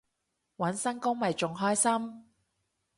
搵新工咪仲開心